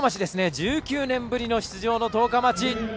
１９年ぶりの出場の十日町。